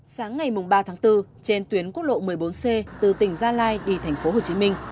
sáng ngày ba tháng bốn trên tuyến quốc lộ một mươi bốn c từ tỉnh gia lai đi thành phố hồ chí minh